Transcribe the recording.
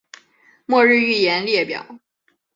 末日预言列表